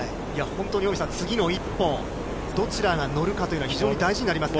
次の１本どちらが乗るかというのは非常に大事になりますね。